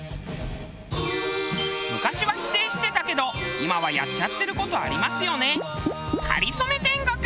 昔は否定してたけど今はやっちゃってる事ありますよね。